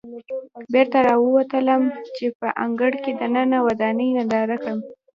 بېرته راووتلم چې په انګړ کې دننه ودانۍ ننداره کړم.